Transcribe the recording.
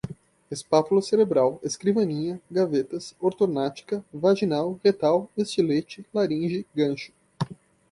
espátula cerebral, escrivaninha, gavetas, ortognática, vaginal, retal, estilete, laringe, gancho